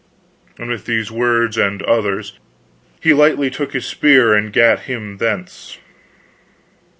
And with these words and others, he lightly took his spear and gat him thence.